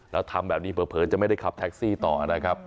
แล้วทำแบบนี้เผลอจะไม่ได้ขับแท็กซี่ต่อนะครับ